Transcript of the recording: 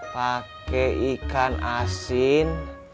pakai ikan asin